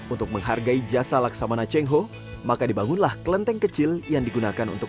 untuk menghargai jasa laksamana cheng ho maka dibangunlah kelenteng kecil yang digunakan untuk